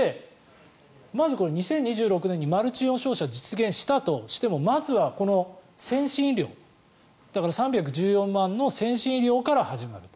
まず、２０２６年にマルチイオン照射を実現したとしてもまずは先進医療だから３１４万の先進医療から始まる。